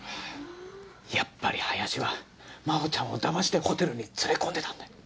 やっぱり林は真帆ちゃんをだましてホテルに連れ込んでたんだ。